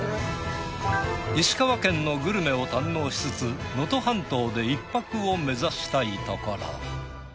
石川県のグルメを堪能しつつ能登半島で１泊を目指したいところ。